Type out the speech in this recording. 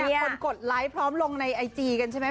คนกดไลค์พร้อมลงในไอจีกันใช่ไหม